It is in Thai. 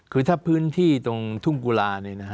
คือถ้าพื้นที่ตรงทุ่งกุลา